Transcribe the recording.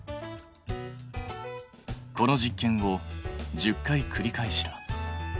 この実験を１０回くり返した。